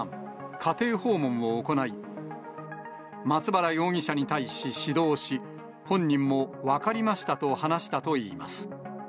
家庭訪問を行い、松原容疑者に対し指導し、本人も分かりましたと話したといいます。